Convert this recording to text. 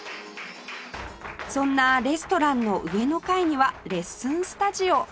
そんなレストランの上の階にはレッスンスタジオ